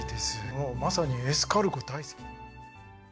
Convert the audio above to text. もうまさにエスカルゴ大好き。